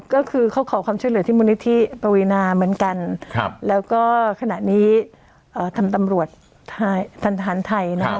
ก็คือเขาขอความช่วยเหลือที่มูลนิธิปวีนาเหมือนกันแล้วก็ขณะนี้ทางตำรวจทันทหารไทยนะครับ